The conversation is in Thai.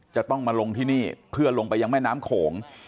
จะต้องมาลงที่นี่เพื่อลงไปยังแม่น้ำโขง